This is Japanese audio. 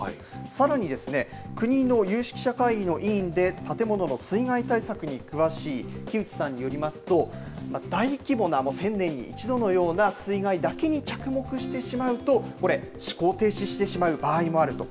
さらに、国の有識者会議の委員で、建物の水害対策に詳しい木内さんによりますと、大規模な１０００年に１度のような水害だけに着目してしまうと、これ、思考停止してしまう場合もあると。